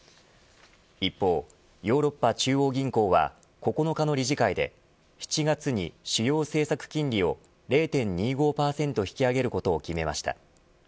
一方、ヨーロッパ中央銀行は９日の理事会で７月に主要政策金利を０．２５％引き上げることを決めました。